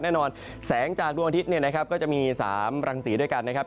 แสงจากดวงอาทิตย์เนี่ยนะครับก็จะมี๓รังสีด้วยกันนะครับ